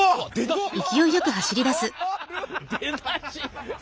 出だし。